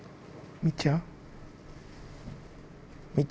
みっちゃん。